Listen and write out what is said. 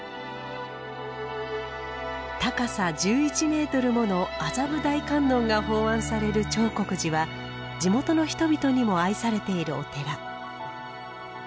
高さ１１ｍもの麻布大観音が奉安される長谷寺は地元の人々にも愛されているお寺。